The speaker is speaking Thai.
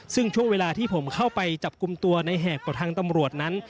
ซึ่งช่วงเวลาที่ผมเข้าไปจับกลุ่มตัวในแหกกับทางตำรวจนั้น